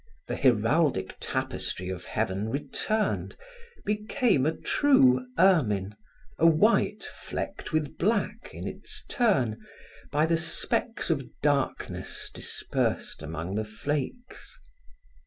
The heraldic tapestry of heaven returned, became a true ermine, a white flecked with black, in its turn, by the specks of darkness dispersed among the flakes.